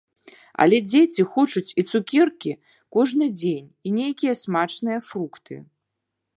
Але дзеці хочуць і цукеркі кожны дзень, і нейкія смачныя фрукты.